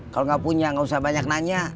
kalau gak punya gak usah banyak nanya